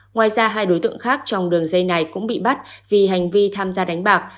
ngoài ra hai đối tượng khác trong đường dây này cũng bị bắt vì hành vi tham gia đánh bạc